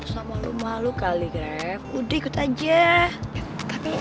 sama lo malu kali ref udah ikut aja